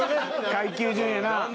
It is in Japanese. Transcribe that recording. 階級順やな。